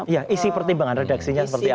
ya isi pertimbangan redaksinya seperti apa